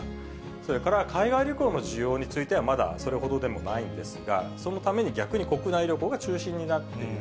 それから、海外旅行の需要については、まだそれほどでもないんですが、そのために逆に国内旅行が中心になっている。